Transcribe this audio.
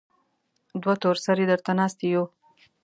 دوه تور سرې درته ناستې يو.